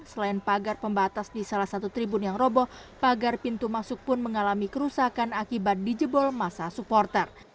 selain pagar pembatas di salah satu tribun yang roboh pagar pintu masuk pun mengalami kerusakan akibat dijebol masa supporter